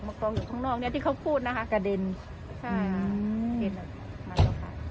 มากรองอยู่ข้างนอกเนี้ยที่เขาพูดนะคะกระเด็นใช่อืมมาตัวขาด